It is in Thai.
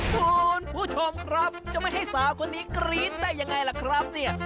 คุณผู้ชมครับจะไม่ให้สาวคนนี้กรี๊ดได้ยังไงล่ะครับเนี่ย